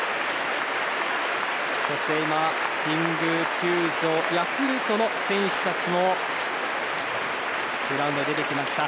そして神宮球場ヤクルトの選手たちもグラウンドに出てきました。